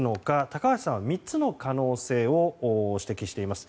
高橋さんは３つの可能性を指摘しています。